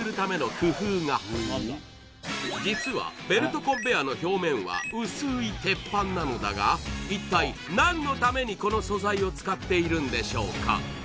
実はベルトコンベアの表面は薄い鉄板なのだが一体何のためにこの素材を使っているんでしょうか？